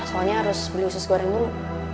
soalnya harus beli usus goreng dulu